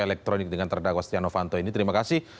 elektronik dengan terdakwa setianovanto ini terima kasih